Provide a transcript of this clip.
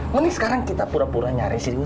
mending sekarang kita pura pura